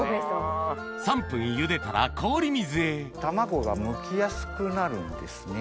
３分ゆでたら氷水へ卵がむきやすくなるんですね。